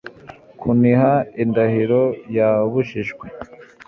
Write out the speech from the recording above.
kuniha indahiro yabujijwe